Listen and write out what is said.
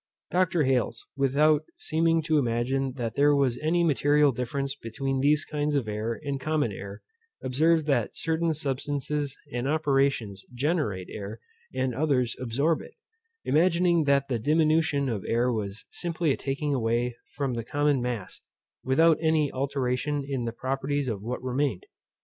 Dr. Hales, without seeming to imagine that there was any material difference between these kinds of air and common air, observed that certain substances and operations generate air, and others absorb it; imagining that the diminution of air was simply a taking away from the common mass, without any alteration in the properties of what remained.